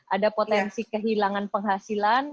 ada potensi kehilangan penghasilan